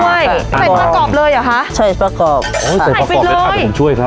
ใส่ปลากรอบเลยเหรอคะใช่ปลากรอบอ๋อใส่ปลากรอบเลยอาจจะผมช่วยครับ